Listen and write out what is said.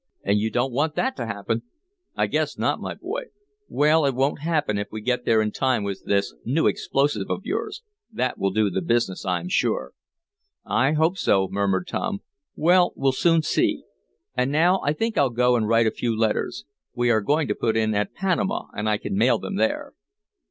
"And you don't want that to happen!" "I guess not, my boy! Well, it won't happen if we get there in time with this new explosive of yours. That will do the business I'm sure." "I hope so," murmured Tom. "Well, we'll soon see. And now I think I'll go and write a few letters. We are going to put in at Panama, and I can mail them there."